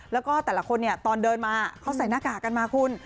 แล้วก็แต่ละคนเนี่ยตอนเดินมาเขาใส่หน้ากากกันมาคุณ